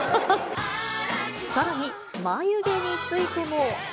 さらに、眉毛についても。